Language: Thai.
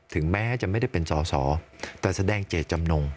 ถึงแม้จะไม่ได้เป็นสอสอแต่แสดงเจตจำนง